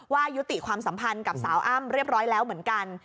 ยุติความสัมพันธ์กับสาวอ้ำเรียบร้อยแล้วเหมือนกัน